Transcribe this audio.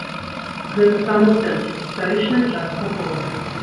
Гэта самы цэнтр, гістарычная частка горада.